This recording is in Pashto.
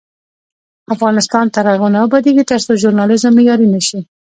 افغانستان تر هغو نه ابادیږي، ترڅو ژورنالیزم معیاري نشي.